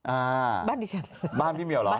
อ้าวบ้านบ้านพี่เมียวเหรอ